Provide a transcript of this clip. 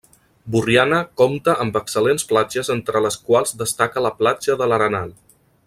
Borriana compta amb excel·lents platges entre les quals destaca la platja de l'Arenal.